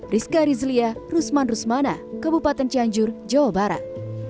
rizka rizlia rusman rusmana kebupaten canjur jawa barat